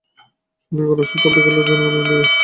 শুনেই গলার স্বর পাল্টে গেল আর জরিমানা দিয়ে দিল।